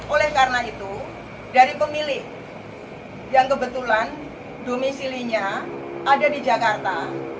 oleh karena itu dari pemilih yang kebetulan domisilinya ada di jakarta